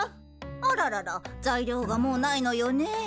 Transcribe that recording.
あららら材料がもうないのよねえ。